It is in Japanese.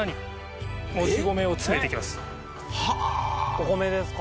お米ですか？